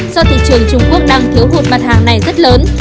do thị trường trung quốc đang thiếu hụt mặt hàng này rất lớn